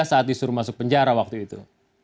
saat disuruh masuk penjara waktu itu